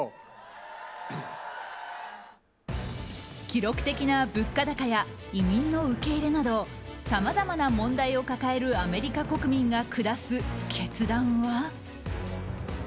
記録的な物価高や移民の受け入れなどさまざまな問題を抱えるアメリカ国民が下す決断は？